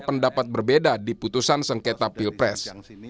pendapat berbeda di putusan sengketa pilpres